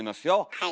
はい。